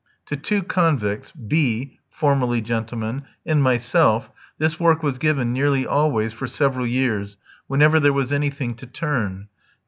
To two convicts, B (formerly gentleman) and myself, this work was given nearly always for several years, whenever there was anything to turn.